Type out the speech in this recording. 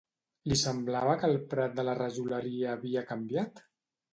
Li semblava que el prat de la rajoleria havia canviat?